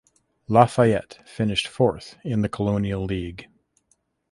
Lafayette finished fourth in the Colonial League.